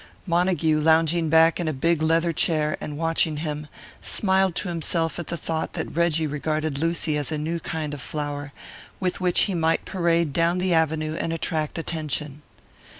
Montague, lounging back in a big leather chair and watching him, smiled to himself at the thought that Reggie regarded Lucy as a new kind of flower, with which he might parade down the Avenue and attract attention.